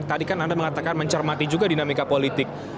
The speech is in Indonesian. tadi kan anda mengatakan mencermati juga dinamika politik